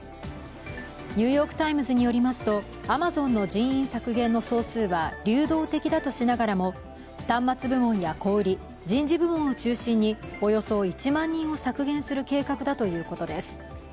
「ニューヨーク・タイムズ」によりますとアマゾンの人員削減の総数は流動的だとしながらも、端末部門や小売、人事部門を中心におよそ１万人を削減する計画だということです。